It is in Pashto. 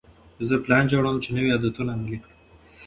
زه پلان جوړوم چې نوي عادتونه عملي کړم.